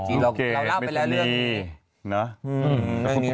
จริงเราเล่าไปแล้วเรื่องนี้